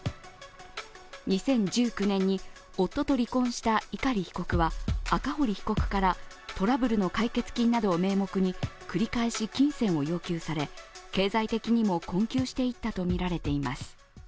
２０１９年に夫と離婚した碇被告は赤堀被告から、トラブルの解決金などを名目に繰り返し金銭を要求され、経済的にも困窮していったとみられています。